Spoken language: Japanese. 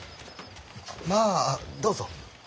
まあどうぞ。